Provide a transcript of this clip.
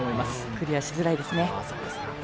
クリアしづらいですね。